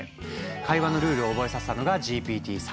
会話のルールを覚えさせたのがＧＰＴ−３．５。